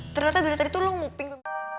ternyata dari tadi tuh lo mau ping